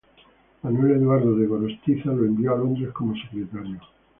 Manuel Eduardo de Gorostiza lo envió a Londres como Secretario.